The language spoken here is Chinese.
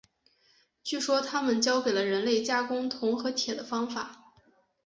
据说他们教给了人类加工铜和铁的方法。